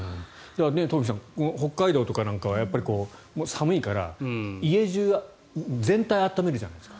トンフィさん北海道なんかは寒いから家中、全体を暖めるじゃないですか。